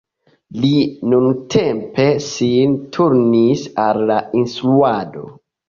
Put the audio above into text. Li nuntempe sin turnis al la instruado.